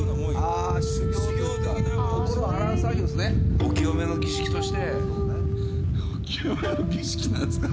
お清めの儀式として。